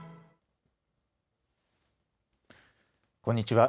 こんにちは。